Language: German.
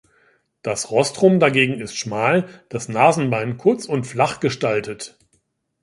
Das Rostrum dagegen ist schmal, das Nasenbein kurz und flach gestaltet.